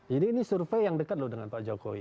jadi ini survei yang dekat loh dengan pak jokowi